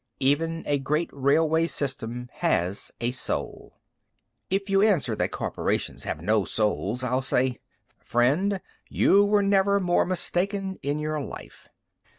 Even a great Railway System has a soul. If you answer that corporations have no souls, I'll say: "Friend, you were never more mistaken in your life.